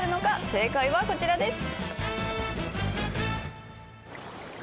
正解はこちらです。